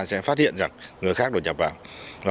sẽ phát hiện rằng người khác đột nhập vào